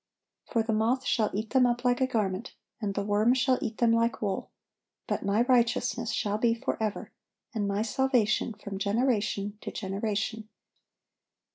For the moth shall eat them up like a garment, and the worm shall eat them like wool: but My righteousness shall be forever, and My salvation from generation to generation."